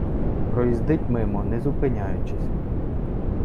Проїздить мимо не зупиняючись.